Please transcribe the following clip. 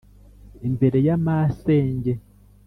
imbere y'amasenge :